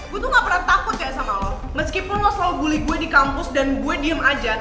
gue tuh gak pernah takut kayak sama lo meskipun lo selalu bully gue di kampus dan gue diem aja